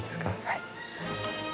はい。